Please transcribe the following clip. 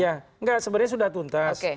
ya enggak sebenarnya sudah tuntas